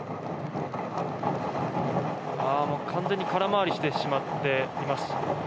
完全に空回りしてしまっています。